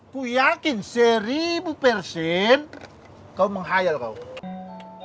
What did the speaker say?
kuyakin seribu persen kau menghayal kau menghayal gimana beneran bang saya itu mimpi ketemu ani